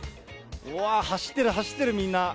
うわー、走ってる、走ってる、みんな。